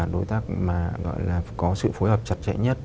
đối tác mà gọi là có sự phối hợp chặt chẽ nhất